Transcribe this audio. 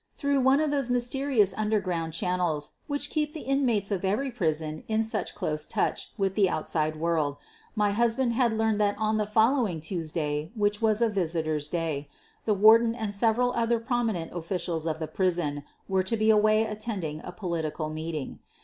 Through one of those mysterious underground chan nels which keep the inmates of every prison in such close touch with the outside world, my husband had learned that on the following Tuesday, which was a visitors ' day, the Warden and several other prom inent officials of the prison were to be away attend ing a political meeting.